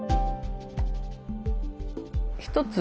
一つ